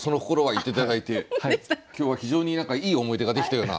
言って頂いて今日は非常に何かいい思い出ができたような。